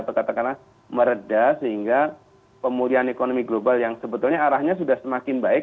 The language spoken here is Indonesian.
atau katakanlah meredah sehingga pemulihan ekonomi global yang sebetulnya arahnya sudah semakin baik